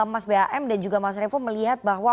mas bam dan juga mas revo melihat bahwa